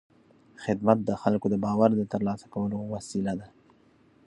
خدمت د خلکو د باور د ترلاسه کولو وسیله ده.